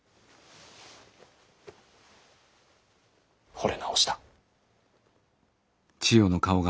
ほれ直した。